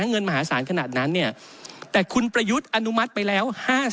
เงินมหาศาลขนาดนั้นเนี่ยแต่คุณประยุทธ์อนุมัติไปแล้ว๕๐